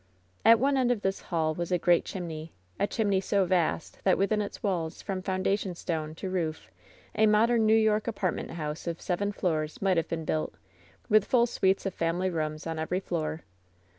At one end of this hall was a great chimney — a chim ney so vast that within its walls, from foundation stone to roof, a modern New York apartment house of seven floors might have been built, with full suits of family rooms on every floor.